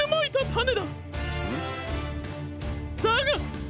だが。